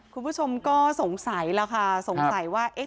คุณผู้ชมก็สงสัยแล้วค่ะสงสัยว่า